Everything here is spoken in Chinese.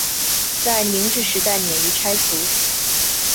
在明治时代免于拆除。